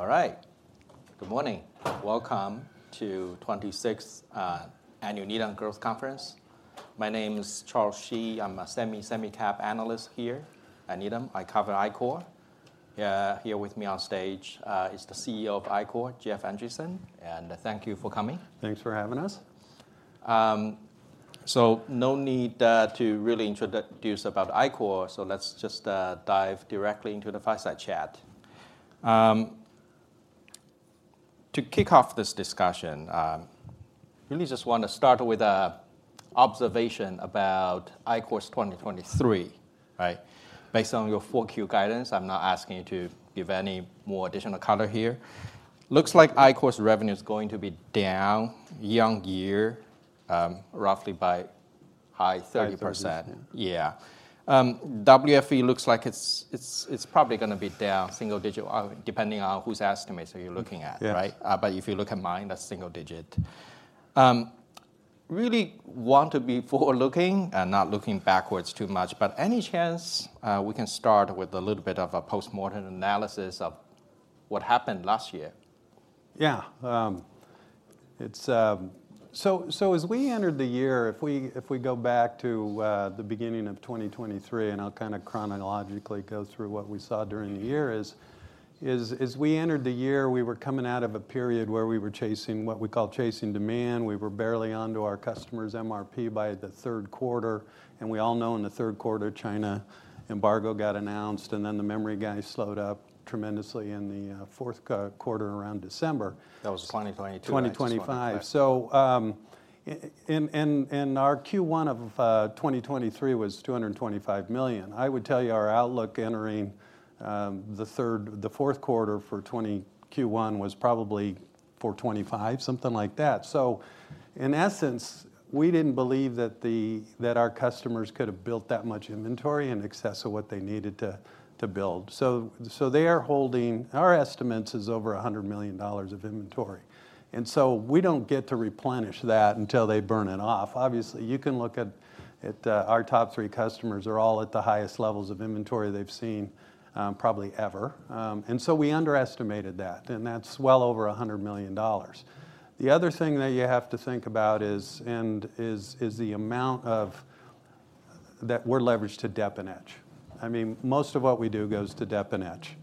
All right. Good morning. Welcome to twenty-sixth annual Needham Growth Conference. My name is Charles Shi. I'm a semi, semi cap analyst here at Needham. I cover Ichor. Here with me on stage is the CEO of Ichor, Jeff Andreson, and thank you for coming. Thanks for having us. So no need to really introduce about Ichor, so let's just dive directly into the fireside chat. To kick off this discussion, really just want to start with an observation about Ichor's 2023, right? Based on your 4Q guidance, I'm not asking you to give any more additional color here. Looks like Ichor's revenue is going to be down year-on-year, roughly by high 30%. Yeah. WFE looks like it's probably gonna be down single digit, depending on whose estimates are you looking at, right? Yeah. If you look at mine, that's single digit. Really want to be forward-looking and not looking backwards too much, but any chance we can start with a little bit of a post-mortem analysis of what happened last year? Yeah. It's, so as we entered the year, if we go back to the beginning of 2023, and I'll kind of chronologically go through what we saw during the year is, as we entered the year, we were coming out of a period where we were chasing what we call chasing demand. We were barely onto our customers' MRP by the third quarter, and we all know in the third quarter, China embargo got announced, and then the memory guys slowed up tremendously in the fourth quarter around December. That was 2022, actually. 2025. So, in our Q1 of 2023 was $225 million. I would tell you, our outlook entering the fourth quarter for 2023 Q1 was probably $425, something like that. So in essence, we didn't believe that our customers could have built that much inventory in excess of what they needed to build. So they are holding, our estimates is over $100 million of inventory, and so we don't get to replenish that until they burn it off. Obviously, you can look at our top three customers are all at the highest levels of inventory they've seen, probably ever. And so we underestimated that, and that's well over $100 million. The other thing that you have to think about is the amount of that we're leveraged to dep and etch. I mean, most of what we do goes to dep and etch.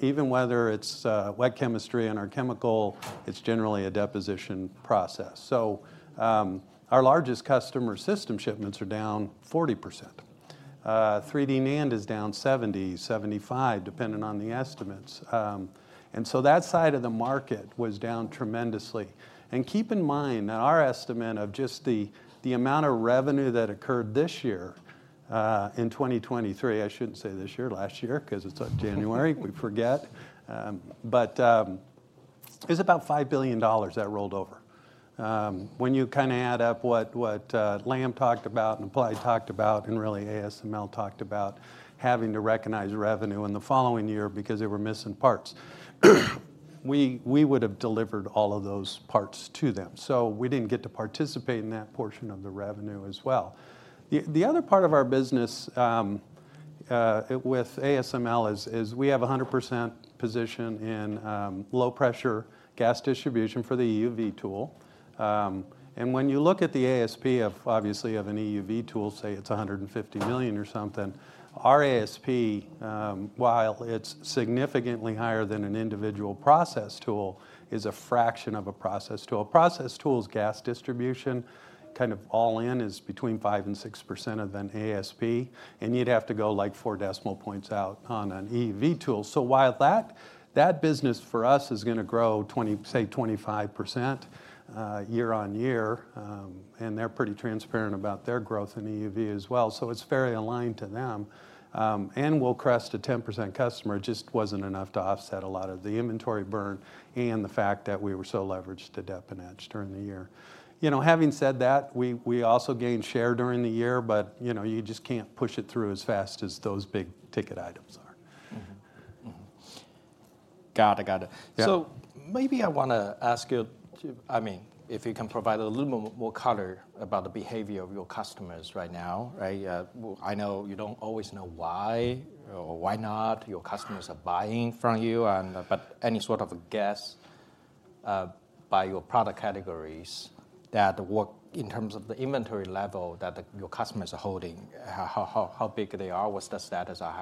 Even whether it's wet chemistry and our chemical, it's generally a deposition process. So, our largest customer system shipments are down 40%. 3D NAND is down 70%-75%, depending on the estimates. And so that side of the market was down tremendously. And keep in mind that our estimate of just the amount of revenue that occurred this year in 2023, I shouldn't say this year, last year, 'cause it's January, we forget. But it's about $5 billion that rolled over. When you kind of add up what Lam talked about and Applied talked about, and really, ASML talked about having to recognize revenue in the following year because they were missing parts, we would have delivered all of those parts to them. So we didn't get to participate in that portion of the revenue as well. The other part of our business with ASML is we have a 100% position in low pressure gas distribution for the EUV tool. And when you look at the ASP of, obviously of an EUV tool, say it's $150 million or something, our ASP, while it's significantly higher than an individual process tool, is a fraction of a process tool. A process tool's gas distribution, kind of all in, is between 5%-6% of an ASP, and you'd have to go like 4 decimal points out on an EUV tool. So while that business for us is gonna grow 20%, say, 25% year-on-year, and they're pretty transparent about their growth in EUV as well, so it's very aligned to them. And we'll crest a 10% customer, it just wasn't enough to offset a lot of the inventory burn and the fact that we were so leveraged to dep and etch during the year. You know, having said that, we also gained share during the year, but, you know, you just can't push it through as fast as those big-ticket items are. Mm-hmm. Mm-hmm. Got it, got it. Yeah. So maybe I wanna ask you to, I mean, if you can provide a little more color about the behavior of your customers right now, right? I know you don't always know why or why not your customers are buying from you, and, but any sort of a guess, by your product categories that what, in terms of the inventory level, that your customers are holding, how big they are? What's the status, or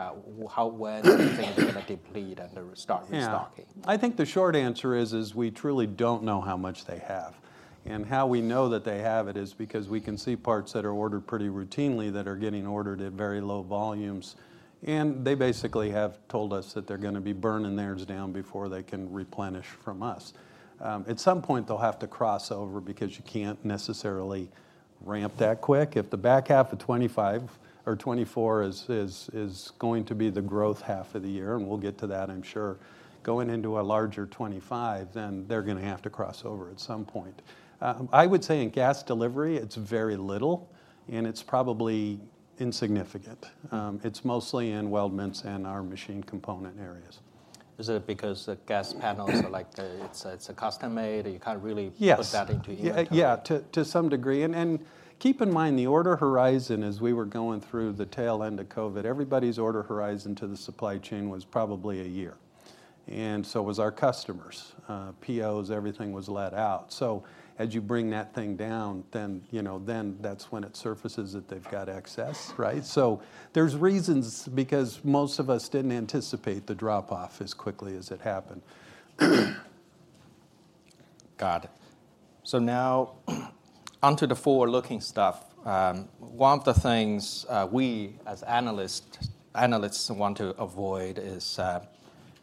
how, when are they gonna deplete and then start restocking? Yeah. I think the short answer is we truly don't know how much they have. And how we know that they have it is because we can see parts that are ordered pretty routinely that are getting ordered at very low volumes, and they basically have told us that they're gonna be burning theirs down before they can replenish from us. At some point, they'll have to cross over because you can't necessarily ramp that quick. If the back half of 2025 or 2024 is going to be the growth half of the year, and we'll get to that, I'm sure, going into a larger 2025, then they're gonna have to cross over at some point. I would say in gas delivery, it's very little, and it's probably insignificant. It's mostly in weldments and our machine component areas. Is it because the gas panels are like, it's a custom-made, you can't really- Yes... put that into inventory? Yeah, to some degree, and keep in mind, the order horizon as we were going through the tail end of COVID, everybody's order horizon to the supply chain was probably a year... and so was our customers. POs, everything was let out. So as you bring that thing down, then, you know, then that's when it surfaces that they've got excess, right? So there's reasons, because most of us didn't anticipate the drop-off as quickly as it happened. Got it. So now, onto the forward-looking stuff. One of the things we as analysts want to avoid is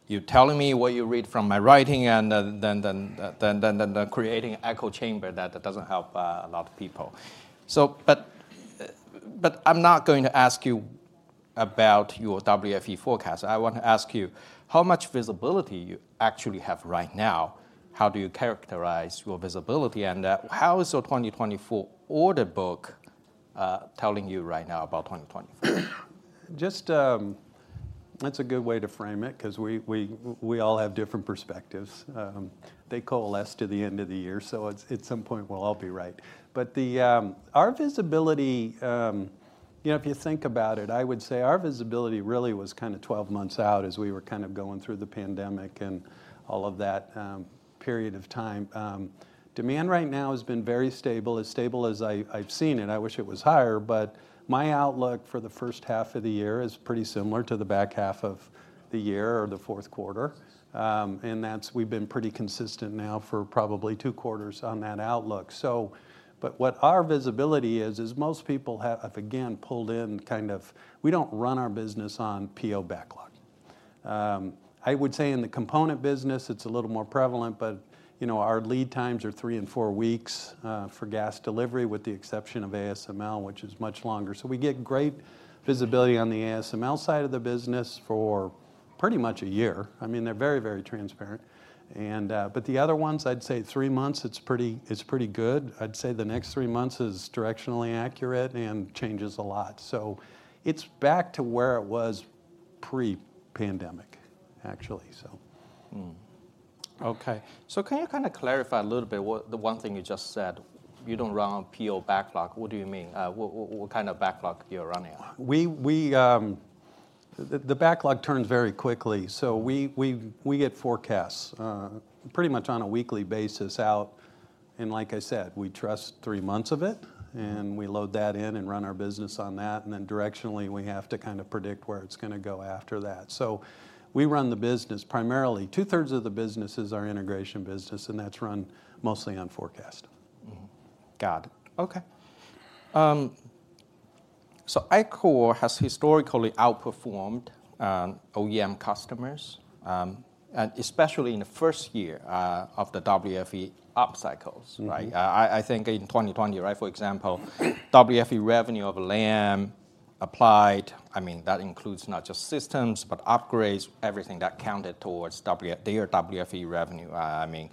you telling me what you read from my writing, and then creating an echo chamber that doesn't help a lot of people. But I'm not going to ask you about your WFE forecast. I want to ask you, how much visibility you actually have right now? How do you characterize your visibility, and how is your 2024 order book telling you right now about 2024? Just, that's a good way to frame it, 'cause we all have different perspectives. They coalesce to the end of the year, so at some point, we'll all be right. But the... Our visibility, you know, if you think about it, I would say our visibility really was kind of 12 months out as we were kind of going through the pandemic and all of that, period of time. Demand right now has been very stable, as stable as I've seen it. I wish it was higher, but my outlook for the first half of the year is pretty similar to the back half of the year or the fourth quarter. And that's, we've been pretty consistent now for probably 2 quarters on that outlook. So, but what our visibility is, is most people have, again, pulled in kind of. We don't run our business on PO backlog. I would say in the component business, it's a little more prevalent, but, you know, our lead times are 3 and 4 weeks for gas delivery, with the exception of ASML, which is much longer. So we get great visibility on the ASML side of the business for pretty much a year. I mean, they're very, very transparent. And, but the other ones, I'd say 3 months, it's pretty, it's pretty good. I'd say the next 3 months is directionally accurate and changes a lot. So it's back to where it was pre-pandemic, actually, so. Okay. So can you kind of clarify a little bit what the one thing you just said, you don't run on PO backlog. What do you mean? What kind of backlog you're running on? The backlog turns very quickly, so we get forecasts pretty much on a weekly basis out, and like I said, we trust three months of it, and we load that in and run our business on that, and then directionally, we have to kind of predict where it's gonna go after that. So we run the business primarily; two-thirds of the business is our integration business, and that's run mostly on forecast. Mm-hmm. Got it. Okay. So Ichor has historically outperformed OEM customers, and especially in the first year of the WFE upcycles, right? Mm-hmm. I think in 2020, right, for example, WFE revenue of Lam, Applied, I mean, that includes not just systems, but upgrades, everything that counted towards their WFE revenue. I mean,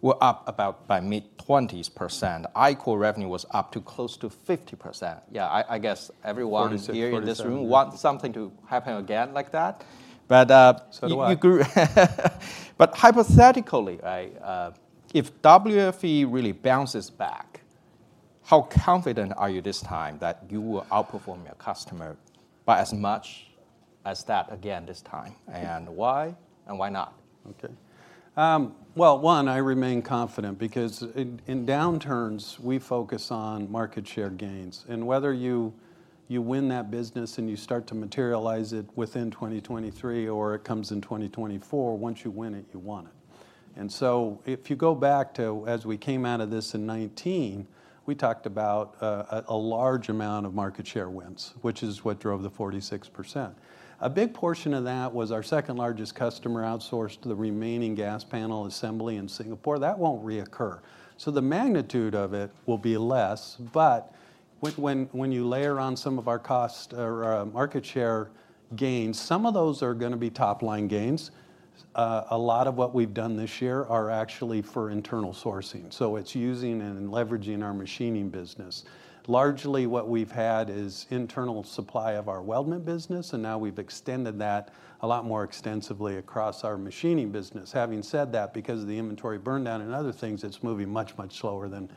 we're up about by mid-20s%. Ichor revenue was up to close to 50%. Yeah, I guess everyone- 46, 47... here in this room wants something to happen again like that. But So do I. Hypothetically, right, if WFE really bounces back, how confident are you this time that you will outperform your customer by as much as that again this time? Yeah. And why and why not? Okay. Well, one, I remain confident because in downturns, we focus on market share gains. And whether you win that business and you start to materialize it within 2023 or it comes in 2024, once you win it, you want it. And so if you go back to as we came out of this in 2019, we talked about a large amount of market share wins, which is what drove the 46%. A big portion of that was our second largest customer outsourced the remaining gas panel assembly in Singapore. That won't reoccur. So the magnitude of it will be less, but when you layer on some of our cost or market share gains, some of those are gonna be top-line gains. A lot of what we've done this year are actually for internal sourcing, so it's using and leveraging our machining business. Largely, what we've had is internal supply of our weldment business, and now we've extended that a lot more extensively across our machining business. Having said that, because of the inventory burn down and other things, it's moving much, much slower than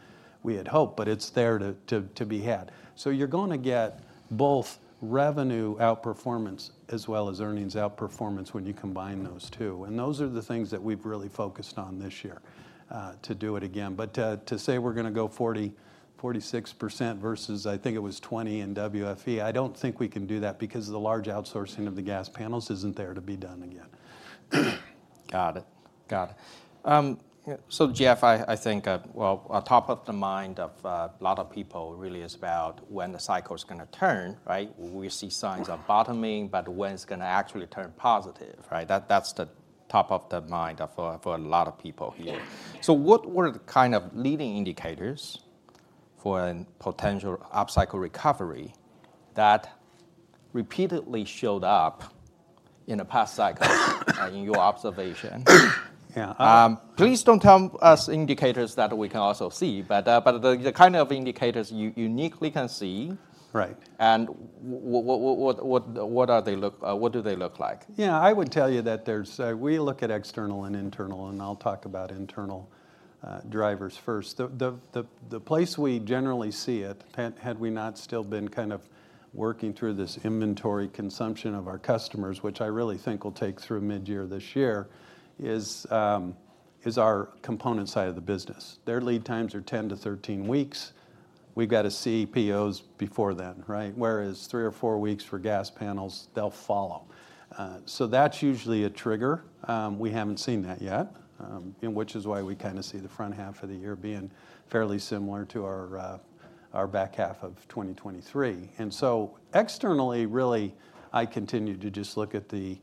we had hoped, but it's there to be had. So you're gonna get both revenue outperformance as well as earnings outperformance when you combine those two, and those are the things that we've really focused on this year to do it again. But to say we're gonna go 40-46% versus, I think it was 20 in WFE, I don't think we can do that because the large outsourcing of the gas panels isn't there to be done again. Got it. Got it. So Jeff, I think, well, top of the mind of a lot of people really is about when the cycle is gonna turn, right? We see signs of bottoming, but when it's gonna actually turn positive, right? That's the top of the mind for a lot of people here. Yeah. So what were the kind of leading indicators for a potential upcycle recovery that repeatedly showed up in the past cycles in your observation? Yeah, uh- Please don't tell us indicators that we can also see, but the kind of indicators you uniquely can see. Right. And what do they look like? Yeah, I would tell you that there's we look at external and internal, and I'll talk about internal drivers first. The place we generally see it had we not still been kind of working through this inventory consumption of our customers, which I really think will take through mid-year this year, is our component side of the business. Their lead times are 10-13 weeks. We've got to see POs before then, right? Whereas 3 or 4 weeks for gas panels, they'll follow. So that's usually a trigger. We haven't seen that yet, and which is why we kind of see the front half of the year being fairly similar to our back half of 2023. And so, externally, really, I continue to just look at the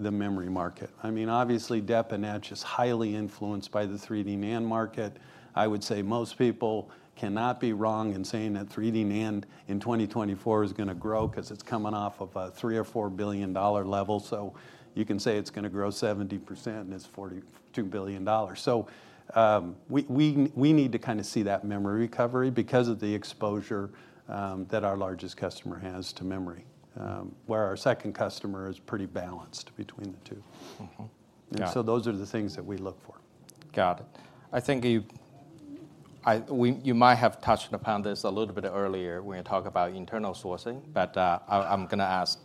memory market. I mean, obviously, dep and etch is highly influenced by the 3D NAND market. I would say most people cannot be wrong in saying that 3D NAND in 2024 is going to grow because it's coming off of a $3 billion-$4 billion level. So you can say it's going to grow 70%, and it's $42 billion. So, we need to kind of see that memory recovery because of the exposure that our largest customer has to memory, where our second customer is pretty balanced between the two. Mm-hmm. Got it. Those are the things that we look for. Got it. I think you might have touched upon this a little bit earlier when you talk about internal sourcing, but, I'm going to ask,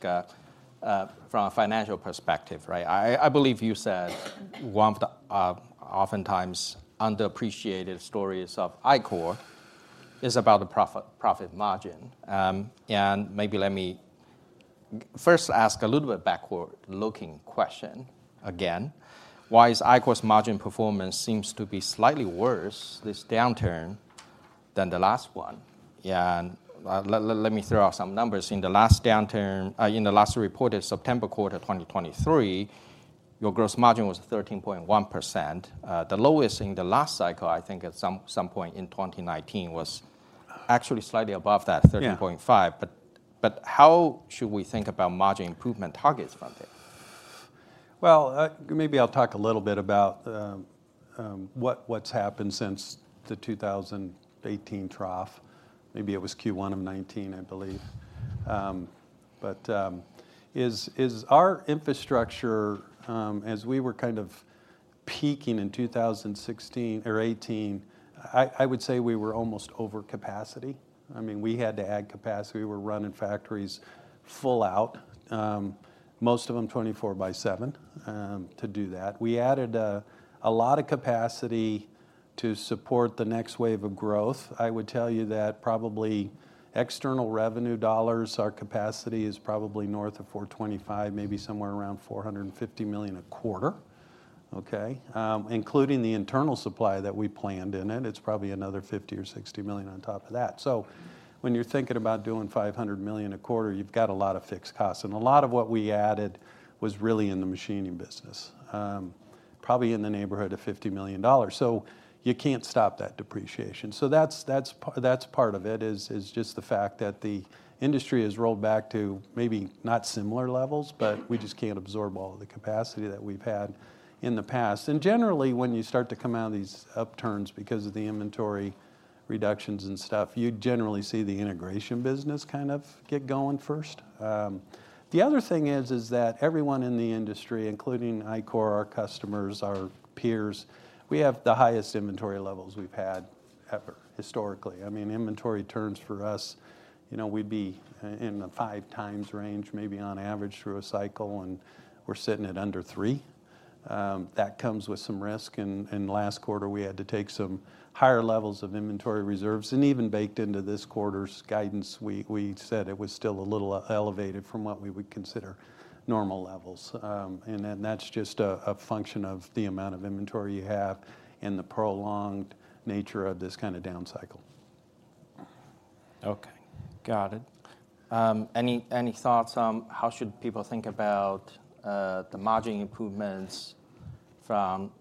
from a financial perspective, right? I believe you said one of the oftentimes underappreciated stories of Ichor is about the profit margin. And maybe let me first ask a little bit backward-looking question again. Why is Ichor's margin performance seems to be slightly worse this downturn than the last one? Yeah, and let me throw out some numbers. In the last downturn, in the last reported September quarter, 2023, your gross margin was 13.1%. The lowest in the last cycle, I think at some point in 2019, was actually slightly above that- Yeah... 13.5%. But, but how should we think about margin improvement targets from there? Well, maybe I'll talk a little bit about what's happened since the 2018 trough. Maybe it was Q1 of 2019, I believe. But is our infrastructure, as we were kind of peaking in 2016 or 2018, I would say we were almost over capacity. I mean, we had to add capacity. We were running factories full out, most of them 24/7, to do that. We added a lot of capacity to support the next wave of growth. I would tell you that probably external revenue dollars, our capacity is probably north of $425 million, maybe somewhere around $450 million a quarter, okay? Including the internal supply that we planned in it, it's probably another $50 million or $60 million on top of that. So when you're thinking about doing $500 million a quarter, you've got a lot of fixed costs, and a lot of what we added was really in the machining business, probably in the neighborhood of $50 million. So you can't stop that depreciation. So that's part of it, is just the fact that the industry has rolled back to maybe not similar levels, but we just can't absorb all of the capacity that we've had in the past. And generally, when you start to come out of these upturns because of the inventory reductions and stuff, you generally see the integration business kind of get going first. The other thing is that everyone in the industry, including Ichor, our customers, our peers, we have the highest inventory levels we've had ever, historically. I mean, inventory turns for us, you know, we'd be in the five times range, maybe on average, through a cycle, and we're sitting at under three. That comes with some risk, and last quarter, we had to take some higher levels of inventory reserves, and even baked into this quarter's guidance, we said it was still a little elevated from what we would consider normal levels. And then, that's just a function of the amount of inventory you have and the prolonged nature of this kind of down cycle. Okay, got it. Any thoughts on how should people think about the margin improvements from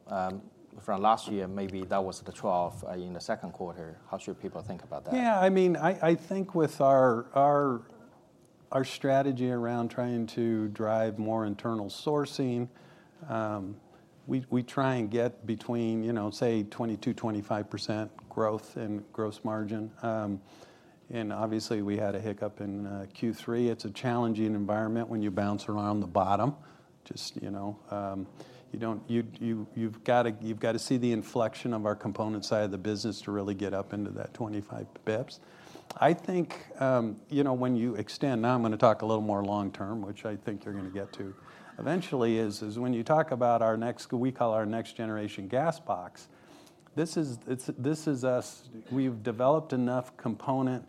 last year? Maybe that was the trough in the second quarter. How should people think about that? Yeah, I mean, I think with our strategy around trying to drive more internal sourcing, we try and get between, you know, say, 22-25% growth in gross margin. And obviously, we had a hiccup in Q3. It's a challenging environment when you bounce around the bottom, just, you know, you don't. You've got to see the inflection of our component side of the business to really get up into that 25 basis points. I think, you know, when you extend. Now, I'm going to talk a little more long term, which I think you're going to get to eventually, is when you talk about our next, we call our next generation gas box, this is, it's, this is us. We've developed enough component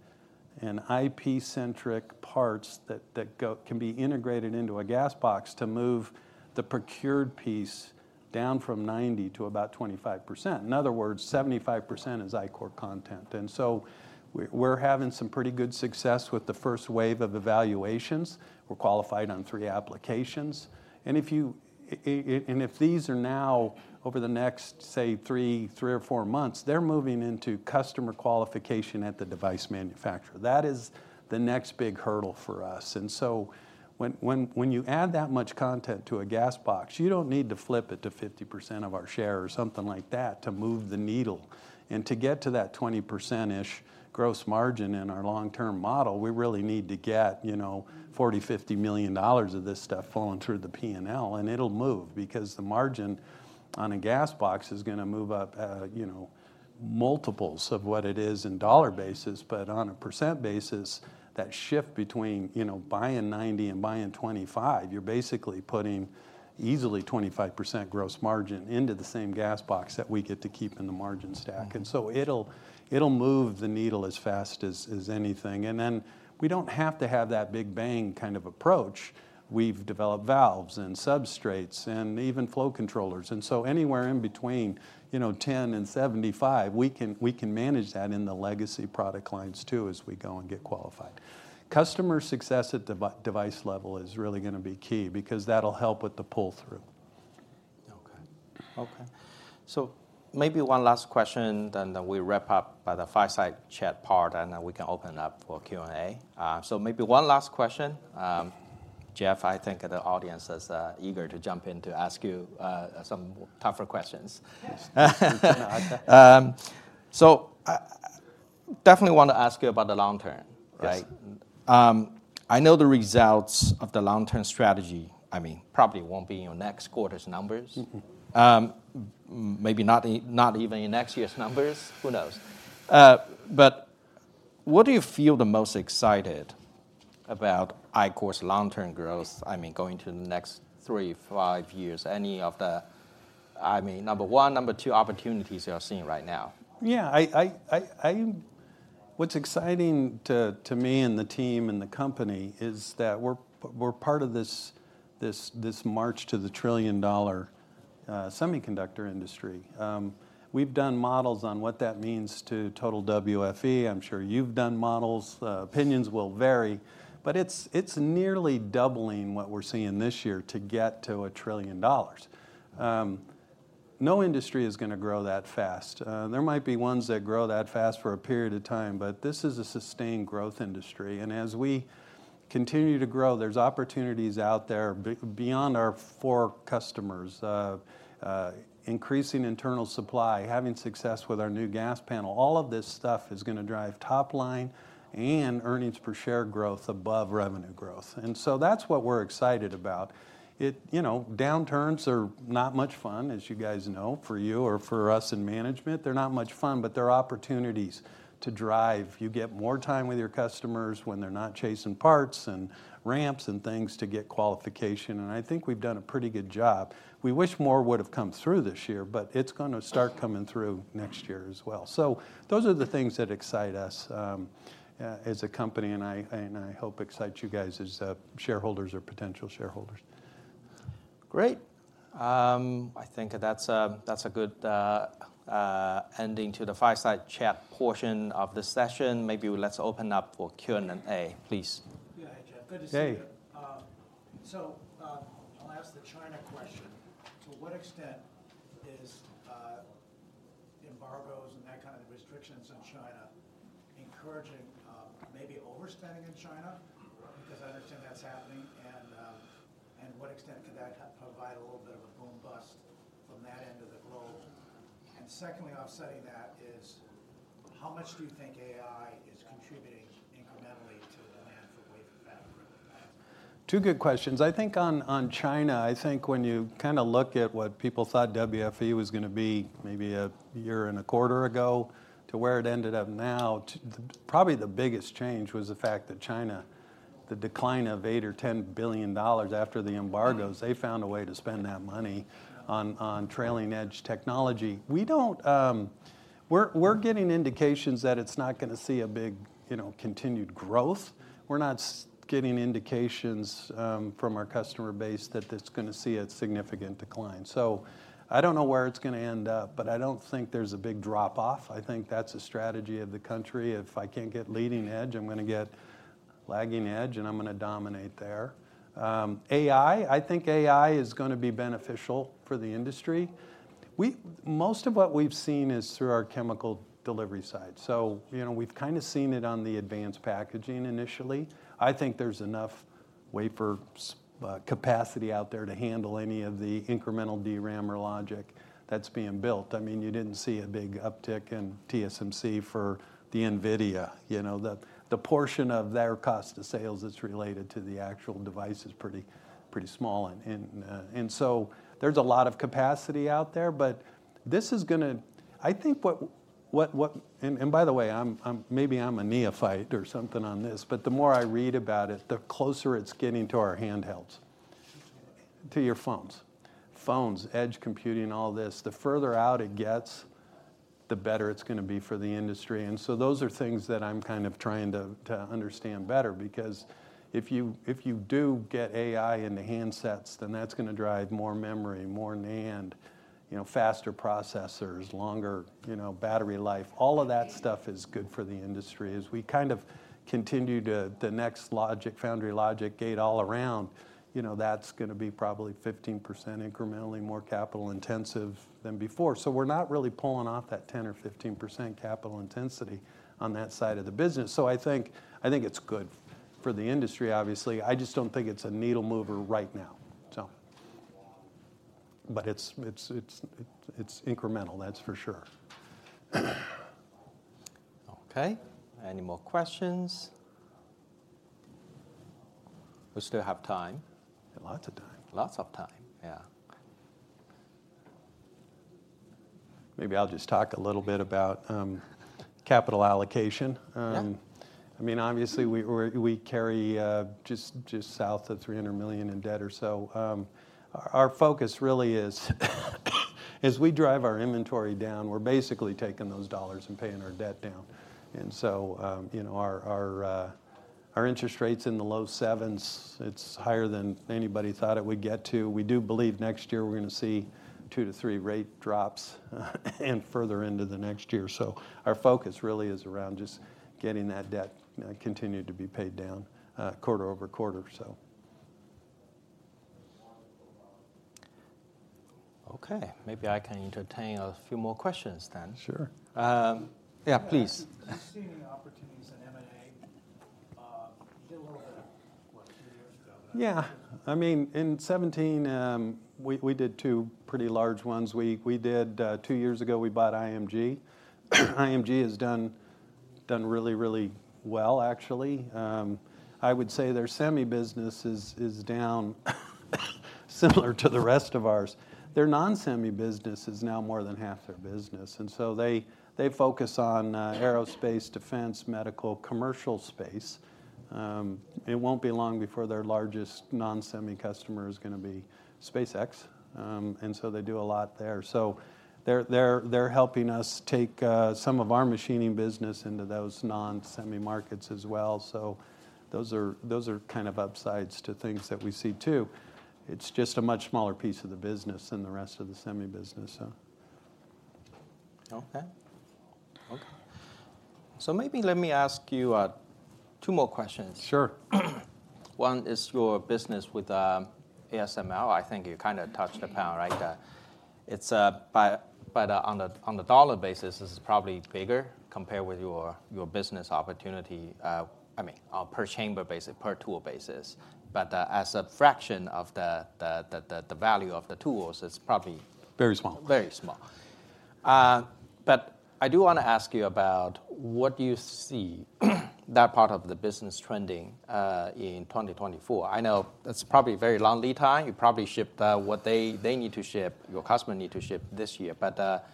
and IP-centric parts that can be integrated into a gas box to move the procured piece down from 90 to about 25%. In other words, 75% is Ichor content. And so we're having some pretty good success with the first wave of evaluations. We're qualified on three applications. And if these are now over the next, say, three or four months, they're moving into customer qualification at the device manufacturer. That is the next big hurdle for us. And so when you add that much content to a gas box, you don't need to flip it to 50% of our share or something like that to move the needle. And to get to that 20%-ish gross margin in our long-term model, we really need to get, you know, $40-$50 million of this stuff flowing through the P&L. And it'll move because the margin on a gas box is gonna move up, you know, multiples of what it is in dollar basis. But on a percent basis, that shift between, you know, buying 90 and buying 25, you're basically putting easily 25% gross margin into the same gas box that we get to keep in the margin stack. Mm-hmm. And so it'll move the needle as fast as anything. And then, we don't have to have that big bang kind of approach... We've developed valves and substrates, and even flow controllers. And so anywhere in between, you know, 10 and 75, we can manage that in the legacy product lines, too, as we go and get qualified. Customer success at device level is really gonna be key, because that'll help with the pull-through. Okay. Okay. So maybe one last question, then we wrap up by the fireside chat part, and then we can open up for Q&A. Jeff, I think the audience is eager to jump in to ask you some tougher questions. Okay. I definitely want to ask you about the long term, right? Yes. I know the results of the long-term strategy, I mean, probably won't be in your next quarter's numbers. Mm-hmm. Maybe not even in next year's numbers. Who knows? But what do you feel the most excited about Ichor's long-term growth, I mean, going to the next 3-5 years? Any of the... I mean, number one, number two opportunities you're seeing right now. Yeah, what's exciting to me and the team and the company is that we're part of this march to the $1 trillion semiconductor industry. We've done models on what that means to total WFE. I'm sure you've done models. Opinions will vary, but it's nearly doubling what we're seeing this year to get to $1 trillion. No industry is gonna grow that fast. There might be ones that grow that fast for a period of time, but this is a sustained growth industry, and as we continue to grow, there's opportunities out there beyond our four customers. Increasing internal supply, having success with our new gas panel, all of this stuff is gonna drive top line and earnings per share growth above revenue growth, and so that's what we're excited about. You know, downturns are not much fun, as you guys know. For you or for us in management, they're not much fun, but they're opportunities to drive. You get more time with your customers when they're not chasing parts and ramps and things to get qualification, and I think we've done a pretty good job. We wish more would have come through this year, but it's gonna start coming through next year as well. So those are the things that excite us as a company, and I hope excite you guys as shareholders or potential shareholders. Great. I think that's a good ending to the fireside chat portion of the session. Maybe let's open up for Q&A, please. Yeah, hi, Jeff. Good to see you. Hey. So, I'll ask the China question: To what extent is the embargoes and that kind of restrictions on China encouraging maybe overspending in China? Because I understand that's happening, and and what extent could that provide a little bit of a boom bust from that end of the globe? And secondly, offsetting that is, how much do you think AI is contributing incrementally to demand for wafer fab? Two good questions. I think on China, I think when you kind of look at what people thought WFE was gonna be maybe a year and a quarter ago to where it ended up now, the probably the biggest change was the fact that China, the decline of $8 billion-$10 billion after the embargoes, they found a way to spend that money on trailing-edge technology. We don't We're getting indications that it's not gonna see a big, you know, continued growth. We're not getting indications from our customer base that it's gonna see a significant decline. So I don't know where it's gonna end up, but I don't think there's a big drop-off. I think that's a strategy of the country. If I can't get leading edge, I'm gonna get lagging edge, and I'm gonna dominate there." AI, I think AI is gonna be beneficial for the industry. Most of what we've seen is through our chemical delivery side. So, you know, we've kind of seen it on the advanced packaging initially. I think there's enough wafer capacity out there to handle any of the incremental DRAM or logic that's being built. I mean, you didn't see a big uptick in TSMC for the NVIDIA. You know, the portion of their cost of sales that's related to the actual device is pretty small. And so there's a lot of capacity out there, but this is gonna - I think what, what, what. By the way, maybe I'm a neophyte or something on this, but the more I read about it, the closer it's getting to our handhelds. To your phones? To your phones. Phones, edge computing, all this. The further out it gets, the better it's gonna be for the industry. And so those are things that I'm kind of trying to, to understand better because if you, if you do get AI in the handsets, then that's gonna drive more memory, more NAND, you know, faster processors, longer, you know, battery life. All of that stuff is good for the industry. As we kind of continue to the next logic, foundry logic gate-all-around, you know, that's gonna be probably 15% incrementally more capital intensive than before. So we're not really pulling off that 10 or 15% capital intensity on that side of the business. So I think, I think it's good for the industry, obviously. I just don't think it's a needle mover right now, so. But it's, it's, it's, it's incremental, that's for sure. Okay, any more questions? We still have time. Lots of time. Lots of time, yeah. Maybe I'll just talk a little bit about capital allocation. Yeah. I mean, obviously, we're carrying just south of $300 million in debt or so. Our focus really is, as we drive our inventory down, we're basically taking those dollars and paying our debt down. And so, you know, our interest rate's in the low 7s. It's higher than anybody thought it would get to. We do believe next year we're gonna see 2-3 rate drops, and further into the next year. So our focus really is around just getting that debt continued to be paid down quarter over quarter, so. Okay, maybe I can entertain a few more questions then. Sure. Yeah, please. Do you see any opportunities in M&A? You did a little bit, what, two years ago, but- Yeah. I mean, in 2017, we did two pretty large ones. We did two years ago, we bought IMG. IMG has done really well, actually. I would say their semi business is down, similar to the rest of ours. Their non-semi business is now more than half their business, and so they focus on aerospace, defense, medical, commercial space. It won't be long before their largest non-semi customer is gonna be SpaceX. And so they do a lot there. So they're helping us take some of our machining business into those non-semi markets as well. So those are kind of upsides to things that we see, too. It's just a much smaller piece of the business than the rest of the semi business, so. Okay. Okay. So maybe let me ask you, two more questions. Sure. One is your business with ASML. I think you kinda touched upon, right? It's on the dollar basis, this is probably bigger compared with your business opportunity, I mean, on per chamber basis, per tool basis, but as a fraction of the value of the tools, it's probably- Very small. Very small. But I do wanna ask you about what do you see, that part of the business trending, in 2024? I know that's probably a very long lead time. You probably shipped, what they, they need to ship, your customer need to ship this year. But,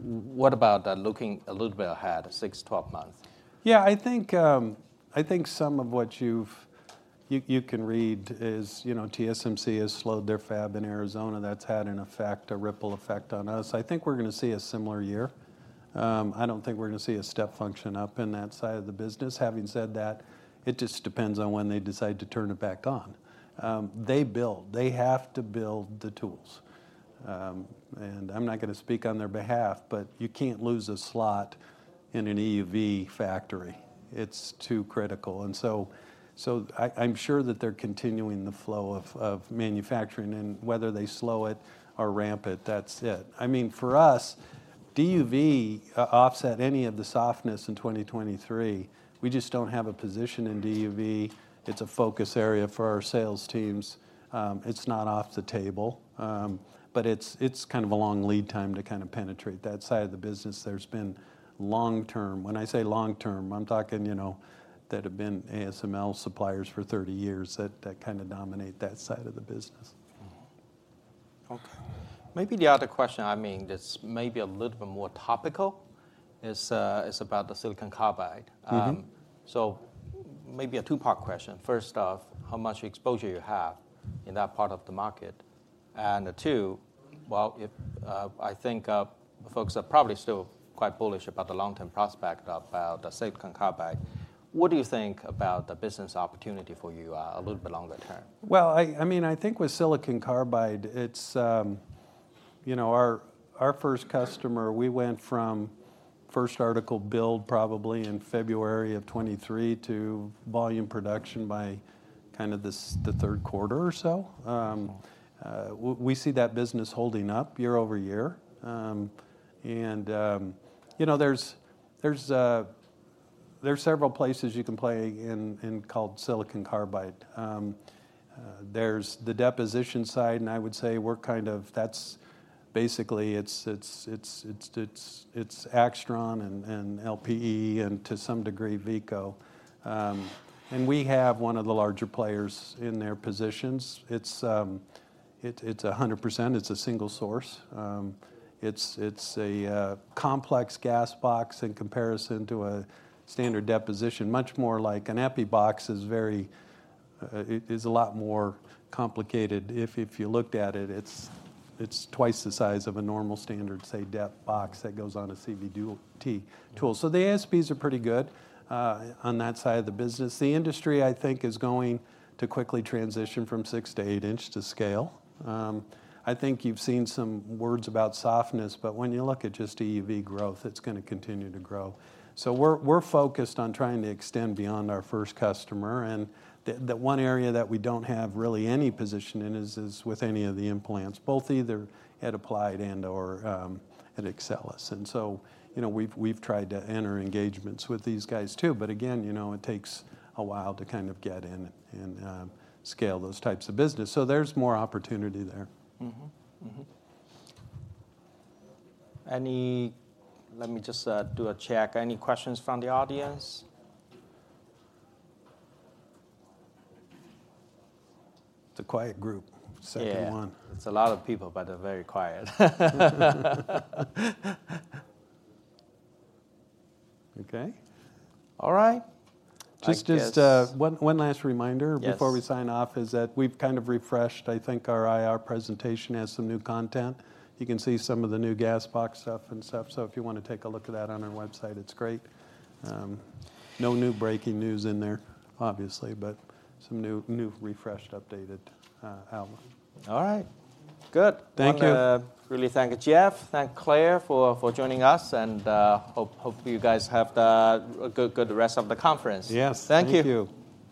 what about, looking a little bit ahead, 6, 12 months? Yeah, I think, I think some of what you've-- you, you can read is, you know, TSMC has slowed their fab in Arizona. That's had an effect, a ripple effect on us. I think we're gonna see a similar year. I don't think we're gonna see a step function up in that side of the business. Having said that, it just depends on when they decide to turn it back on. They build, they have to build the tools. And I'm not gonna speak on their behalf, but you can't lose a slot in an EUV factory. It's too critical. And so, so I, I'm sure that they're continuing the flow of, of manufacturing, and whether they slow it or ramp it, that's it. I mean, for us, DUV offset any of the softness in 2023. We just don't have a position in DUV. It's a focus area for our sales teams. It's not off the table, but it's, it's kind of a long lead time to kind of penetrate that side of the business. There's been long term... When I say long term, I'm talking, you know, that have been ASML suppliers for 30 years, that, that kind of dominate that side of the business. Mm-hmm. Okay. Maybe the other question, I mean, that's maybe a little bit more topical, is, is about the silicon carbide. Mm-hmm. So maybe a two-part question. First off, how much exposure you have in that part of the market? And two, well, I think folks are probably still quite bullish about the long-term prospect about the silicon carbide, what do you think about the business opportunity for you, a little bit longer term? Well, I mean, I think with silicon carbide, it's, you know, our first customer, we went from first article build probably in February 2023 to volume production by kind of the third quarter or so. We see that business holding up year-over-year. And, you know, there's several places you can play in, in called silicon carbide. There's the deposition side, and I would say we're kind of-- that's basically it's Aixtron and LPE and to some degree, Veeco. And we have one of the larger players in their positions. It's 100%, it's a single source. It's a complex gas box in comparison to a standard deposition. Much more like an epi box, it is a lot more complicated. If you looked at it, it's twice the size of a normal standard, say, dep box that goes on a CVD ALD tool. So the ASPs are pretty good on that side of the business. The industry, I think, is going to quickly transition from 6 to 8 inch to scale. I think you've seen some words about softness, but when you look at just EUV growth, it's gonna continue to grow. So we're focused on trying to extend beyond our first customer, and the one area that we don't have really any position in is with any of the implants, both either at Applied and/or at Axcelis. And so, you know, we've tried to enter engagements with these guys too, but again, you know, it takes a while to kind of get in and scale those types of business. So there's more opportunity there. Mm-hmm. Mm-hmm. Let me just do a check. Any questions from the audience? It's a quiet group, second one. Yeah. It's a lot of people, but they're very quiet. Okay. All right. I guess- Just one last reminder- Yes... before we sign off, is that we've kind of refreshed, I think our IR presentation has some new content. You can see some of the new gas box stuff and stuff. So if you wanna take a look at that on our website, it's great. No new breaking news in there, obviously, but some new, new refreshed, updated album. All right. Good. Thank you. I wanna really thank Jeff, thank Claire, for joining us, and hopefully you guys have a good rest of the conference. Yes. Thank you. Thank you.